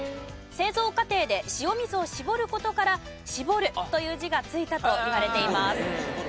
製造過程で塩水を搾る事から「搾る」という字がついたといわれています。